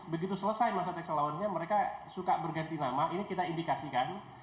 begitu selesai masa tax lawannya mereka suka berganti nama ini kita indikasikan